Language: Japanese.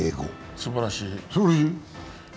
すばらしい。